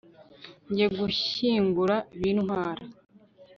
Njye gushyingura bintwara